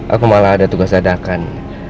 aku malah ada tugas adakan